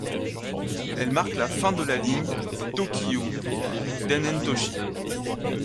Elle marque la fin de la ligne Tōkyū Den-en-toshi.